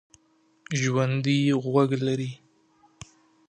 ژوندي غوږ لري